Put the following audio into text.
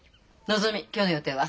のぞみ今日の予定は？